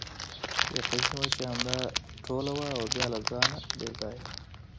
یقیني وه چې همدا ټوله وه او بیا له ځانه بې ځایه.